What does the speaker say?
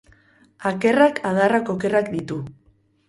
Akerrak adarrak okerrak ditu